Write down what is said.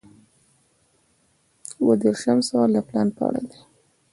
اووه دېرشم سوال د پلان په اړه دی.